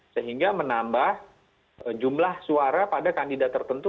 sehingga menambah jumlah suara pada kandidat tertentu